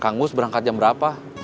kang gus berangkat jam berapa